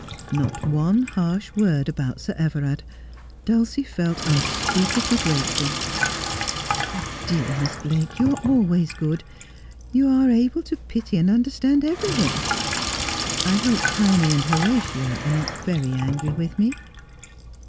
Not one harsh word about Sir Everard. Dulcie felt un speakably grateful. ' Dear Miss Blake, you are always good. You are able to pity and understand every one. I hope Tiny and Horatia are not very angry with me.'